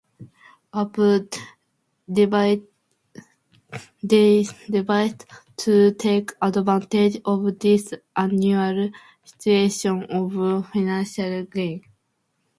Apu decides to take advantage of this unusual situation for financial gain.